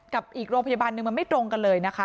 กับอีกโรงพยาบาลหนึ่งมันไม่ตรงกันเลยนะคะ